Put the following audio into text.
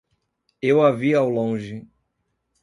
Eu a vi ao longe